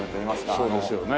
そうですよね。